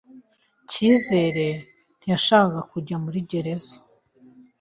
Cyizere ntiyashakaga kujya muri gereza.